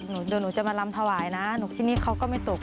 เดี๋ยวหนูจะมาลำถวายนะหนูที่นี่เขาก็ไม่ตก